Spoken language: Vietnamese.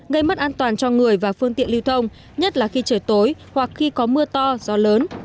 gây mất an toàn cho người và phương tiện lưu thông nhất là khi trời tối hoặc khi có mưa to gió lớn